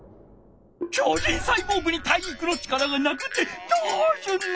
超人サイボーグに体育の力がなくってどうすんの！？